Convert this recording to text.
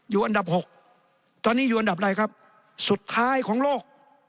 อยู่อันดับหกตอนนี้อยู่อันดับอะไรครับสุดท้ายของโลก